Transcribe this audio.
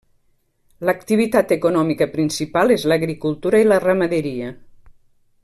L'activitat econòmica principal és l'agricultura i la ramaderia.